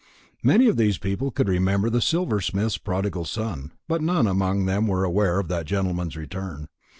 Many of these people could remember the silversmith's prodigal son; but none among them were aware of that gentleman's return.